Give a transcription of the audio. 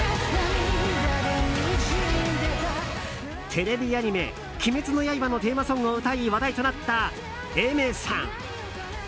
テレビアニメ「鬼滅の刃」のテーマソングを歌い話題となったＡｉｍｅｒさん。